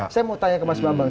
saya mau tanya ke mas bambang